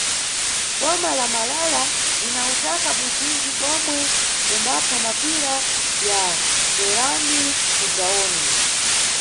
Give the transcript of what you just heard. Boma la Malala lina utaka buzinji bomwe umbapha mapira ya bwerani mudzawone.